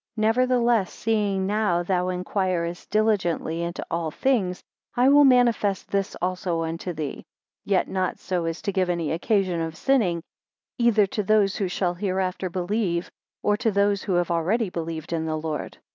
Never the less seeing now thou inquirest diligently into all things, I will manifest this also unto thee; yet not so as to give any occasion of sinning, either to those who shall hereafter believe, or to those who have already believed in the Lord.